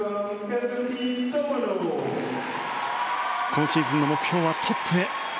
今シーズンの目標はトップへ。